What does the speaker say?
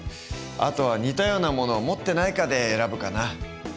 あとは似たようなものを持ってないかで選ぶかな。